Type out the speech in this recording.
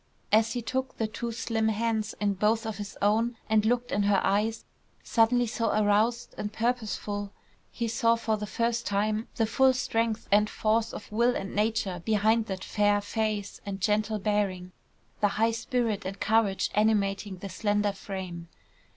As he took the two slim hands in both his own and looked in her eyes, suddenly so aroused and purposeful, he saw for the first time, the full strength and force of will and nature behind that fair face and gentle bearing, the high spirit and courage animating the slender frame.